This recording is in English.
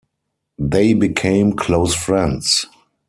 They became close friends.